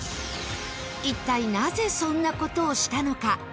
一体なぜそんな事をしたのか？